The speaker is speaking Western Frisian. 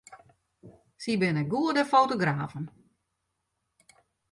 Sy binne goede fotografen.